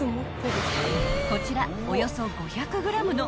［こちらおよそ５００ｇの